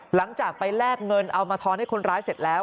หลังจากไปแลกเงินเอามาทอนให้คนร้ายเสร็จแล้ว